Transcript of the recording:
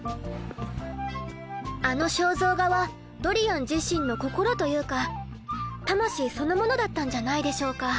あの肖像画はドリアン自身の心というか魂そのものだったんじゃないでしょうか。